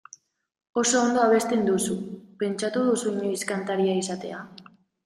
Oso ondo abesten duzu, pentsatu duzu inoiz kantaria izatea?